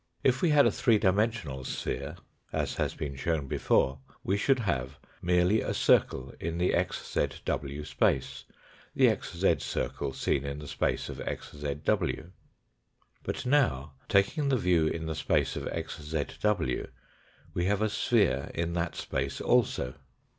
If we had a three dimensional sphere, as has been shown before, we should have merely a circle in the xzw space, the xz circle seen in the space of xzw. But now, taking the view in the space of xzw. we have a sphere in that space also.